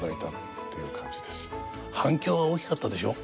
反響は大きかったでしょ？